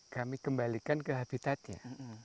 kami kembalikan ke habitatnya